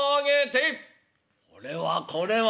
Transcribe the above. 「これはこれは。